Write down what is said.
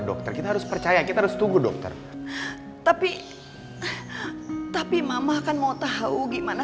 dokter kita harus percaya kita harus tunggu dokter tapi tapi mama kan mau tahu gimana